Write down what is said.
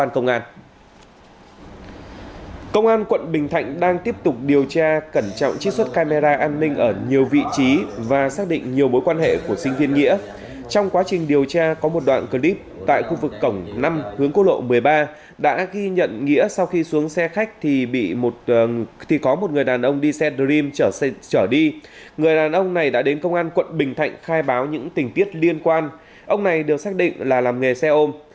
công an quận bình thạnh đang tiếp tục điều tra cẩn trọng chiếc suất camera an ninh ở nhiều vị trí và xác định nhiều mối quan hệ của sinh viên nghĩa trong quá trình điều tra có một đoạn clip tại khu vực cổng năm hướng cô lộ một mươi ba đã ghi nhận nghĩa sau khi xuống xe khách thì có một người đàn ông đi xe dream chở đi người đàn ông này đã đến công an quận bình thạnh khai báo những tình tiết liên quan ông này được xác định là làm nghề xe ôm